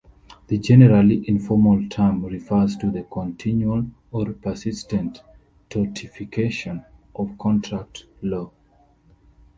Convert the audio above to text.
The generally informal term refers to the continual or persistent "tortification" of Contract law.